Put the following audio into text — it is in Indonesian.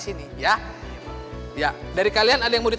sstt ayo kita aja butuh